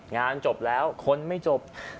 งานจบแล้วคนไม่จบ